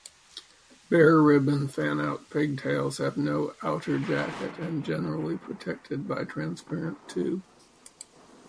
Bare ribbon fanout pigtails have no outer jacket and generally protected by transparent tube.